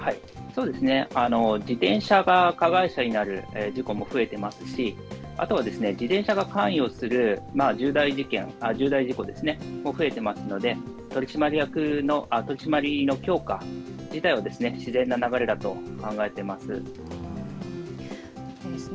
自転車が加害者になる事故も増えていますし、あとは、自転車が関与する重大事件、重大事故も増えてますので、取締りの強化自体は自然な流れだと考えています。